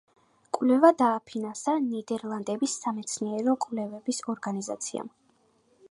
კვლევა დააფინანსა ნიდერლანდების სამეცნიერო კვლევების ორგანიზაციამ.